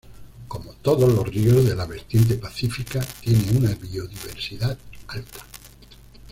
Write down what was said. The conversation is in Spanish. Como todos los ríos de la vertiente pacífica, tiene una biodiversidad alta.